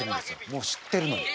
もう知ってるのに。